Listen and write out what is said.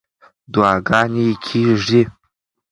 دعاګانې کېږي.